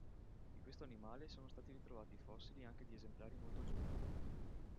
Di questo animale sono stati ritrovati fossili anche di esemplari molto giovani.